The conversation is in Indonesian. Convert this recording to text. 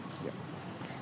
terima kasih pak rudia